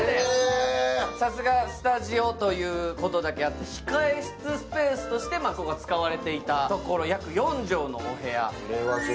さすがスタジオということだけあって、控室スペースとしてここは使われていたところ約４畳のお部屋。